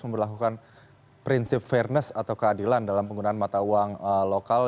memperlakukan prinsip fairness atau keadilan dalam penggunaan mata uang lokal